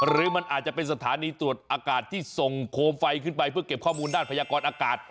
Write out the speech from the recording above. หรือมันอาจจะเป็นสถานีตรวจอากาศที่ส่งโคมไฟขึ้นไปเพื่อเก็บข้อมูลด้านพยากรอากาศ